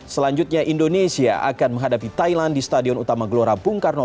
selanjutnya indonesia akan menghadapi thailand di stadion utama gelora bung karno